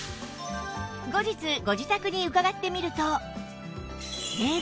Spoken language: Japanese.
後日ご自宅に伺ってみると